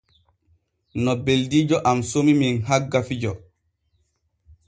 No beldiijo am somi men hagga fijo.